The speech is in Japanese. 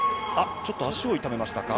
ちょっと足を痛めましたか。